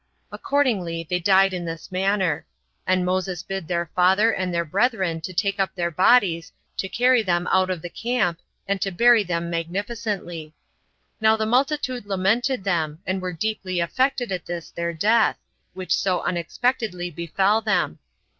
Accordingly they died in this manner. And Moses bid their father and their brethren to take up their bodies, to carry them out of the camp, and to bury them magnificently. Now the multitude lamented them, and were deeply affected at this their death, which so unexpectedly befell them.